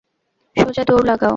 সোজা দৌড় লাগাও।